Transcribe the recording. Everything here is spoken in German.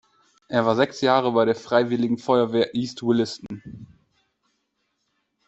Er war sechs Jahre bei der Freiwilligen Feuerwehr East Williston.